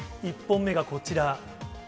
１本目がこちら。